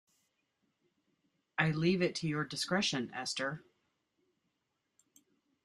I leave it to your discretion, Esther.